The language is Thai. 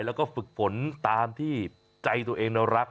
แล้วก็ฝึกฝนตามที่ใจตัวเองรัก